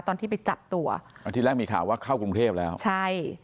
ตอนที่ไปจับตัวอ่าที่แรกมีข่าวว่าเข้ากรุงเทพแล้วใช่